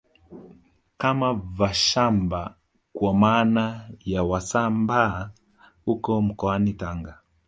Kama Vashamba kwa maana ya Wasambaa huko mkoani Tanga